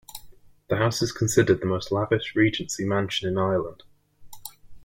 The house is considered the most lavish Regency mansion in Ireland.